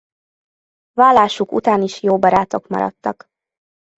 Válásuk után is jó barátok maradtak.